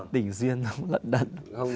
tình duyên lận đận